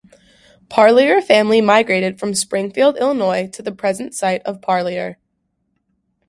Parlier family migrated from Springfield, Illinois to the present site of Parlier.